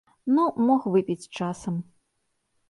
Ну, мог выпіць часам.